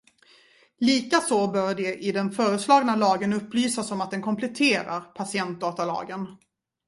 Likaså bör det i den föreslagna lagen upplysas om att den kompletterar patientdatalagen.